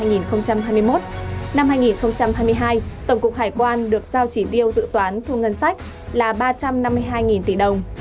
năm hai nghìn hai mươi hai tổng cục hải quan được giao chỉ tiêu dự toán thu ngân sách là ba trăm năm mươi hai tỷ đồng